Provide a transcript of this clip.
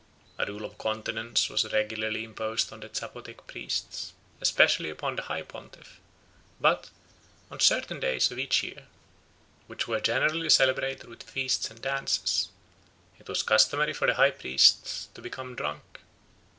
A rule of continence was regularly imposed on the Zapotec priests, especially upon the high pontiff; but "on certain days in each year, which were generally celebrated with feasts and dances, it was customary for the high priest to become drunk.